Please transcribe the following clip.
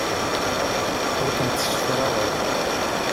Ur kent-ssefraɣeɣ.